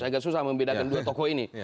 agak susah membedakan dua tokoh ini